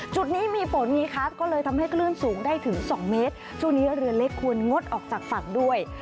จุดนี้มีฝนไงคะก็เลยทำให้คลื่นสูงได้ถึงสองเมตรช่วงนี้เรือเล็กควรงดออกจากฝั่งด้วย